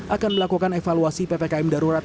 akan melakukan evaluasi ppkm darurat